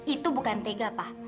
itu bukan tega pak